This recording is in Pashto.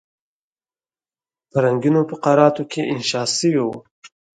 په رنګینو فقراتو کې انشا شوی وو.